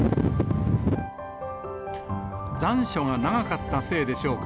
残暑が長かったせいでしょうか。